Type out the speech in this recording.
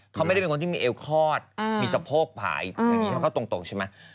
เขาไม่ได้เป็นคนที่มีเอวคลอดมีสะโพกผ่ายอย่างนี้เขาก็ตรงใช่ไหม